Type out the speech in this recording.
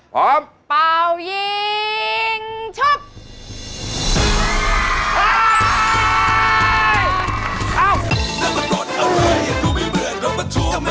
กรรมพระนายค่าเก่งสุขอย่างเที่ยวฟ้า